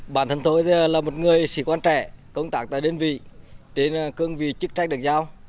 bản thân tôi là một người sĩ quan trẻ công tác tại đơn vị trên cương vị chức trách được giao